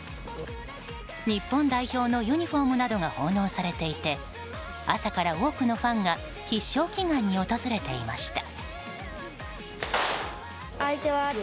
日本代表のユニホームなどが奉納されていて朝から多くのファンが必勝祈願に訪れていました。